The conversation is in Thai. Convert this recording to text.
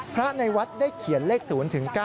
พระในวัดได้เขียนเลข๐๙